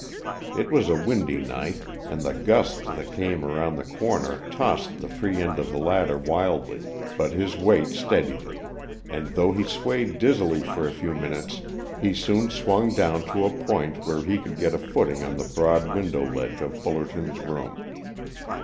It was a windy night and the gusts that came around the corner tossed the free end of the ladder wildly, but his weight steadied it, and though he swayed dizzily for a few minutes, he soon swung down to a point where he could get a footing on the broad window ledge of Fullerton's room.